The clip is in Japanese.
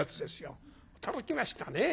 驚きましたね。